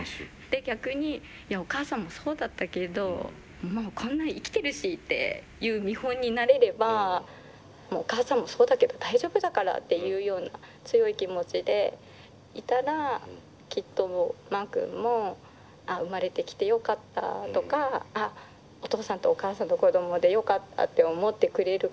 で逆にお母さんもそうだったけどこんな生きてるしっていう見本になれればお母さんもそうだけど大丈夫だからっていうような強い気持ちでいたらきっとマー君もああ生まれてきてよかったとかああお父さんとお母さんの子供でよかったって思ってくれるかなというか。